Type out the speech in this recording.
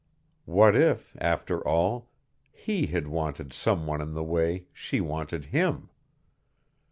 What if, after all, he had wanted some one in the way she wanted him?